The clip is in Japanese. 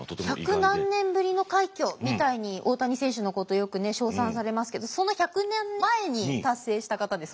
「百何年ぶりの快挙」みたいに大谷選手のことよくね称賛されますけどその１００年前に達成した方ですもんね。